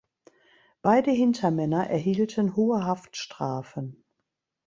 Beide Hintermänner erhielten hohen Haftstrafen.